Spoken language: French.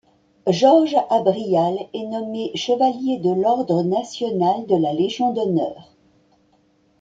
Georges Abrial est nommé chevalier de l'ordre national de la Légion d'honneur.